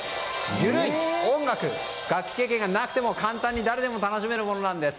ゆるい音楽、楽器経験がなくても簡単に誰でも楽しめるものなんです。